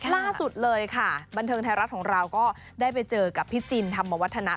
ล่าสุดเลยค่ะบันเทิงไทยรัฐของเราก็ได้ไปเจอกับพี่จินธรรมวัฒนะ